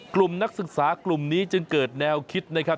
นักศึกษากลุ่มนี้จึงเกิดแนวคิดนะครับ